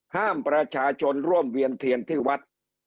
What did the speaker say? ห้ามประชาชนร่วมเวียนเทียนที่วัด